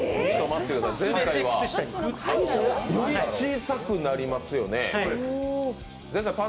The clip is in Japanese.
前回より、より小さくなりますよね。